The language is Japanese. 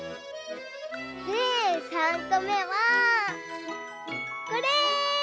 でさんこめはこれ！